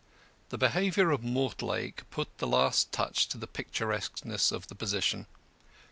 The behaviour of Mortlake put the last touch to the picturesqueness of the position.